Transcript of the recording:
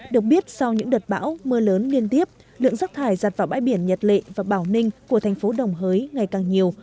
được biết sau những đợt bão mưa lớn liên tiếp lượng rắc thải giặt vào bãi biển nhật lệ và bảo ninh của thành phố đồng hới ngày càng nhiều